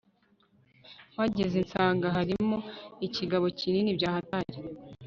mpageze nsanga harimo ikigabo kinini byahatari